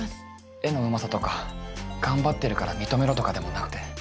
絵のうまさとか頑張ってるから認めろとかでもなくて。